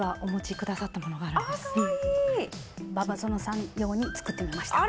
馬場園さん用に作ってみました！